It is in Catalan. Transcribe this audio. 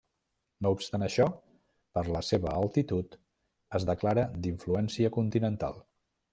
No obstant això, per la seva altitud, es declara d'influència continental.